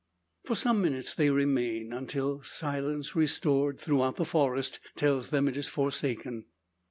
For some minutes they remain; until silence restored throughout the forest tells them it is forsaken.